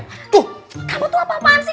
aduh kamu tuh apa apaan sih